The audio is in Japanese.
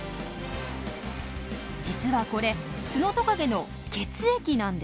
実はこれツノトカゲの血液なんです！